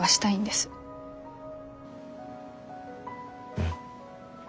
うん。